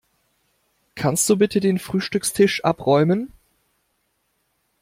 Kannst du bitte den Frühstückstisch abräumen?